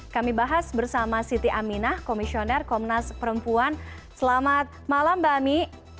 kami bahas bersama siti aminah komisioner komnas perempuan selamat malam mbak ami